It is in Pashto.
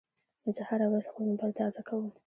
زه هره ورځ خپل موبایل تازه کوم.